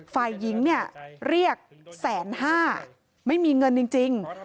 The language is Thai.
ฝ่ายหญิงเนี่ยเรียกแสนห้าไม่มีเงินจริง